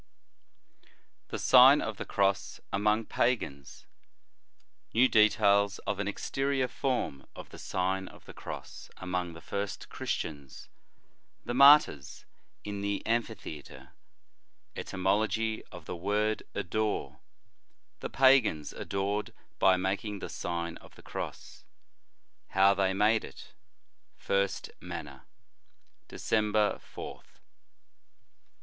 THE SIGN OP THE CROSS AMONG PAGANS NEW DETAILS OF AS EXTERIOR FORM OF THE SlGN OF THE CROSS AMONG THE FIRST CHRISTIANS THE MARTYRS IN THE AMPHITHEATRE ETY MOLOGY OF THE WORD adore THE PAGANS ADORED BY MAKING THE SlGN OF THE CROSS HOW THEY MADE IT FlRST MANNER. December 4th.